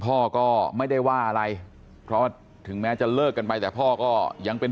พ่อก็ไม่ได้ว่าอะไรเพราะถึงแม้จะเลิกกันไปแต่พ่อก็ยังเป็น